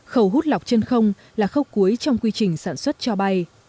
khẩu hút lọc chân không là khẩu cuối trong quy trình sản xuất cho bay